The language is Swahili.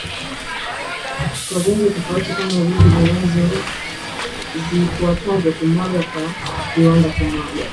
kwa vyanzo tofauti kama vile zifuatazoKumwaga kwa viwandaKumwaga